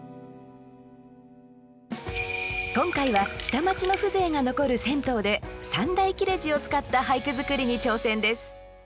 今回は下町の風情が残る銭湯で三大切れ字を使った俳句作りに挑戦です